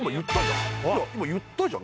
今言ったじゃん